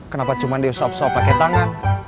kenapa cuma dia sop sop pake tangan